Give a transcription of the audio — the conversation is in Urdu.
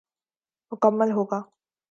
مکمل ہو گا۔